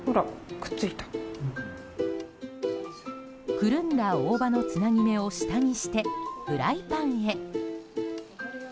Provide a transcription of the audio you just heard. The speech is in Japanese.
くるんだ大葉のつなぎ目を下にして、フライパンへ。